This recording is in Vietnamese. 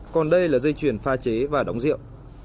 còn đây là dây chuyển pha chế và đóng rượu